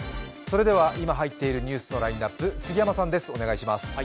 今入っているニュースのラインナップ、杉山さん、お願いします。